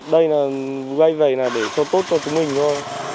đây là gây vầy để cho tốt cho chúng mình thôi